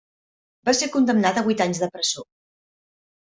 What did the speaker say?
Va ser condemnat a vuit anys de presó.